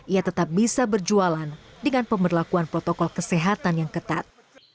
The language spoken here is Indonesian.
ia tetap bisa berjualan dengan pemberlakuan protokol kesehatan yang ketat